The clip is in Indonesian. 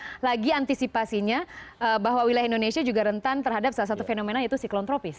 sekali lagi antisipasinya bahwa wilayah indonesia juga rentan terhadap salah satu fenomena yaitu siklon tropis